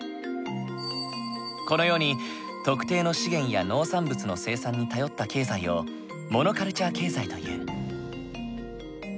このように特定の資源や農産物の生産に頼った経済をモノカルチャー経済という。